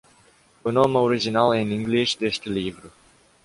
O nome original em inglês deste livro